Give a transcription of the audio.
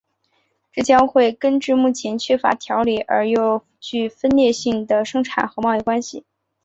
这将会根治目前缺乏条理而又具分裂性的生产和贸易关系。